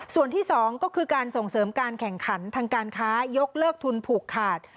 ส่วนที่๒ก็คือการส่งเสริมการแข่งขันทางการค้ายกเลิกทุนผูกขาด